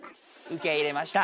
受け入れました。